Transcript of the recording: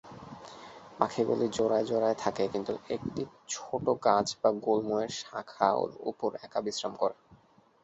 পাখি গুলি জোড়ায় জোড়ায় থাকে কিন্তু একটি ছোট গাছ বা গুল্ম এর শাখা উপর একা বিশ্রাম করে।